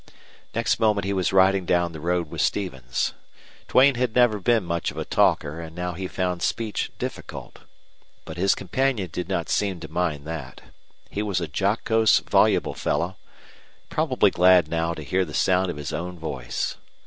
Next moment he was riding down the road with Stevens. Duane had never been much of a talker, and now he found speech difficult. But his companion did not seem to mind that. He was a jocose, voluble fellow, probably glad now to hear the sound of his own voice.